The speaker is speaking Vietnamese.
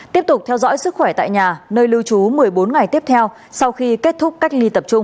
tiếp tục theo dõi sức khỏe tại nhà nơi lưu trú một mươi bốn ngày tiếp theo sau khi kết thúc cách ly tập trung